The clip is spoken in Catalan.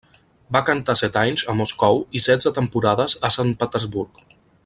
Va cantar set anys a Moscou i setze temporades a Sant Petersburg.